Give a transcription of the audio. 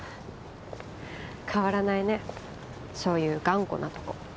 変わらないねそういう頑固なとこ。